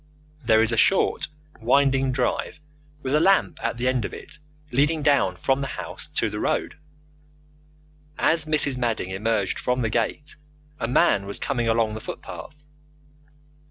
There is a short, winding drive with a lamp at the end of it leading down from the house to the road. As Mrs. Madding emerged from the gate a man was coming along the footpath.